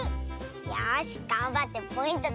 よしがんばってポイント